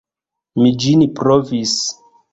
Mi ĝin provis.